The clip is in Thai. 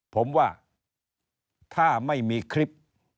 ผมว่าถ้าไม่มีคลิป